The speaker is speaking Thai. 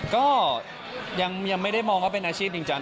ก็ยังไม่ได้มองว่าเป็นอาชีพจริงจัง